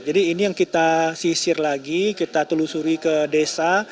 jadi ini yang kita sisir lagi kita telusuri ke desa